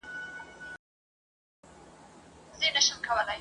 له مخلوق څخه ګوښه تر ښار دباندي ..